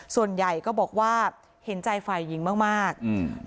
ส่วนใหญ่ก็บอกว่าเห็นใจฝ่ายหญิงมากมากอืม